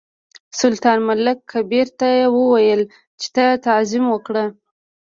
سلطان ملک کبیر ته وویل چې تعظیم وکړه.